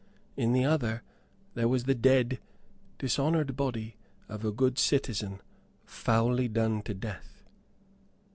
"In the other there was the dead, dishonored body of a good citizen foully done to death."